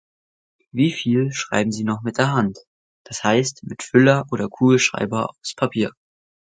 Wieviel schreiben Sie noch mit der Hand? Das heißt mit Füller oder Kugelschreiber aufs Papier.